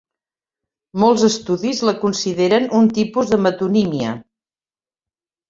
Molts estudis la consideren un tipus de metonímia.